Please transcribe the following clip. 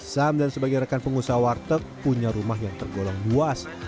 sam dan sebagai rekan pengusaha warteg punya rumah yang tergolong luas